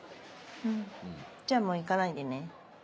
うんじゃあもう行かないでね。